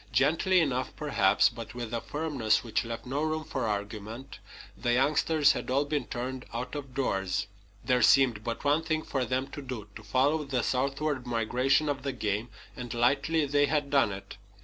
Gently enough, perhaps, but with a firmness which left no room for argument, the youngsters had all been turned out of doors. There seemed but one thing for them to do to follow the southward migration of the game; and lightly they had done it.